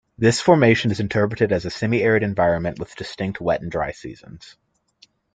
This formation is interpreted as a semiarid environment with distinct wet and dry seasons.